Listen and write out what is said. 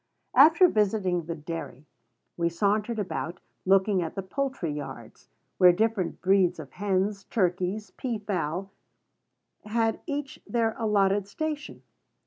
After visiting the dairy, we sauntered about, looking at the poultry yards, where different breeds of hens, turkeys, pea fowl, had each their allotted station.